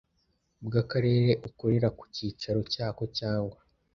bw Akarere ukorera ku cyicaro cyako cyangwa